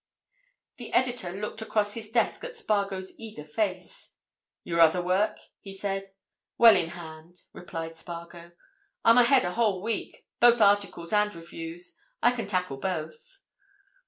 The editor looked across his desk at Spargo's eager face. "Your other work?" he said. "Well in hand," replied Spargo. "I'm ahead a whole week—both articles and reviews. I can tackle both."